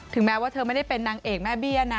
แม้ว่าเธอไม่ได้เป็นนางเอกแม่เบี้ยนะ